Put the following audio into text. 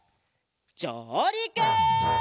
じょうりく！